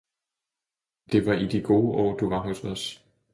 Det var i de gode år, du var hos os!